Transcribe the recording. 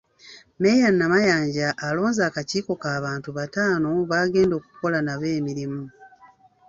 Mmeeya Namayanja alonze akakiiko k’abantu bataano baagenda okukola nabo emirimu .